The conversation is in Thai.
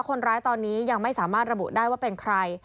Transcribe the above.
คนร้ายตอนนี้ยังไม่สามารถระบุได้ว่าเป็นใคร